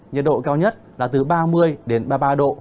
nhiệt độ cao nhất là từ ba mươi đến ba mươi ba độ